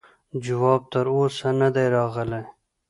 جواب تر اوسه نه دی راغلی.